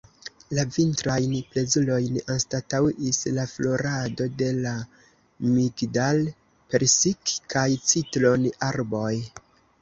La vintrajn plezurojn anstataŭis la florado de la migdal-, persik- kaj citron-arboj.